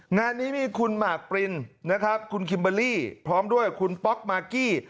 งานนี้มีคุณหมากปรินนะครับคุณคิมเบอร์รี่พร้อมด้วยคุณป๊อกมากกี้